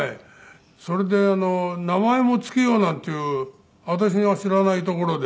それで名前も付けようなんていう私が知らないところで。